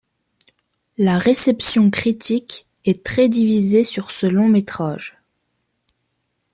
La réception critique est très divisée sur ce long métrage.